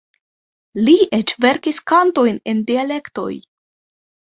Li eĉ verkis kantojn en dialektoj.